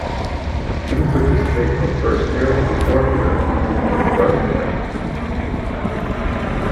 Students participate from first year through fourth year as students of Russian language.